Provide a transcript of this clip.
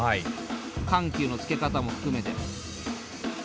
緩急のつけ方も含めて。